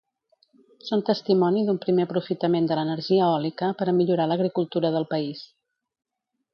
Són testimoni d'un primer aprofitament de l'energia eòlica per a millorar l'agricultura del país.